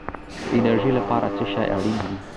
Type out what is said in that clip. د انرژۍ لپاره څه شی اړین دی؟